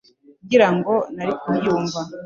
ngira ngo nari kubyumva